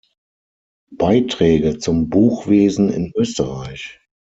Beiträge zum Buchwesen in Österreich“.